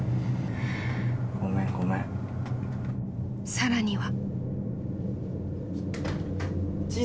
［さらには］